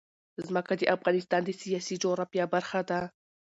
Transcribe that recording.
ځمکه د افغانستان د سیاسي جغرافیه برخه ده.